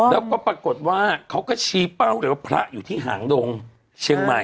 แล้วก็ปรากฏว่าเขาก็ชี้เป้าเลยว่าพระอยู่ที่หางดงเชียงใหม่